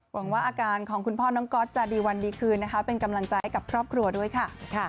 หวังว่าอาการของคุณพ่อน้องก๊อตจะดีวันดีคืนนะคะเป็นกำลังใจให้กับครอบครัวด้วยค่ะ